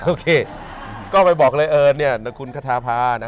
โอเคก็ไปบอกเลยเอิญเนี่ยนักคุณขทาพานะ